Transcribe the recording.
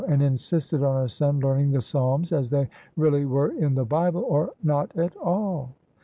and insisted on her son learning the Psalms as they really were in the Bible, or not at all."